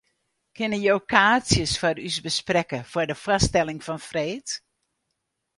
Kinne jo kaartsjes foar ús besprekke foar de foarstelling fan freed?